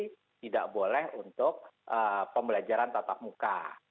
sudah pasti tidak boleh untuk pembelajaran tatap muka